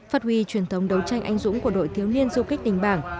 phát huy truyền thống đấu tranh anh dũng của đội thiếu niên du kích đình bảng